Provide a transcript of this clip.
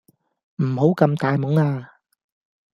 唔好咁大懵呀